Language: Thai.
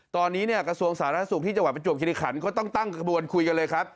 ตอนนี้กระทรวงสารสาธารณสุขที่จังหวะประจวบคินิฆรคาร์ต้องตั้งกันบรวมคุยกันเลยครับ